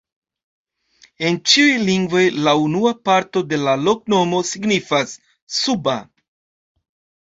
En ĉiuj lingvoj la unua parto de la loknomo signifas: suba.